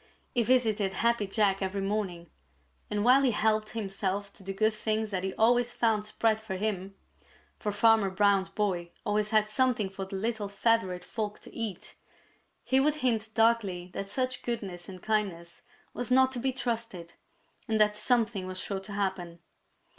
He visited Happy Jack every morning, and while he helped himself to the good things that he always found spread for him, for Farmer Brown's boy always had something for the little feathered folk to eat, he would hint darkly that such goodness and kindness was not to be trusted, and that something was sure to happen.